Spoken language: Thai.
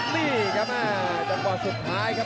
นี่ครับจังหวะสุดท้ายครับ